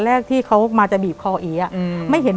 แต่ขอให้เรียนจบปริญญาตรีก่อน